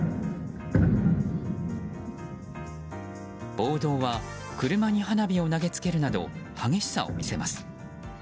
暴動は車に花火を投げつけるなど激しさを見せます。